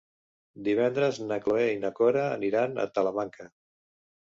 Divendres na Cloè i na Cora aniran a Talamanca.